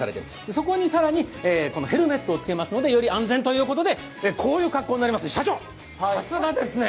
そこに更にヘルメットをつけますので、より安全ということでこういう格好になります、社長、さすがですね！